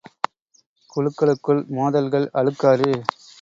குழுக்களுக்குள் மோதல்கள், அழுக்காறு!